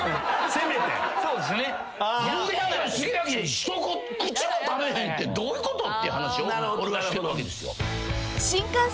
一口も食べへんってどういうことって話を俺はしてるわけですよ。